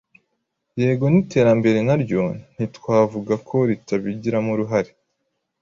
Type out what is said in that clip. Yego n'iterambere naryo ntitwavuga ko ritabigiramo uruhare